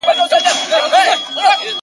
ه ژوند به دي خراب سي داسي مه كــوه تـه.